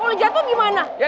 kalau jatuh gimana